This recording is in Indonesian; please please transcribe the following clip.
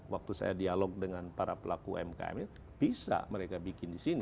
waktu saya dialog dengan para pelaku umkm itu bisa mereka bikin di sini